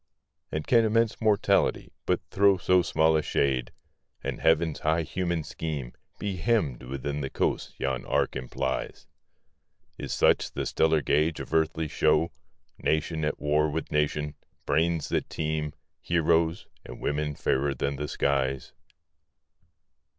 And can immense Mortality but throw So small a shade, and Heaven's high human scheme Be hemmed within the coasts yon arc implies? Is such the stellar gauge of earthly show, Nation at war with nation, brains that teem, Heroes, and women fairer than the skies?